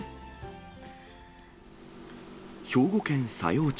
兵庫県佐用町。